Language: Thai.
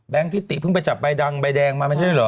ทิติเพิ่งไปจับใบดังใบแดงมาไม่ใช่เหรอ